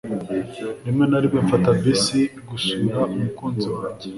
Rimwe na rimwe mfata bisi gusura umukunzi wanjye.